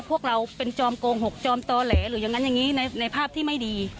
พวกเราเป็นจอมโกหกจอมตอแหลหรืออย่างนั้นอย่างนี้ในภาพที่ไม่ดี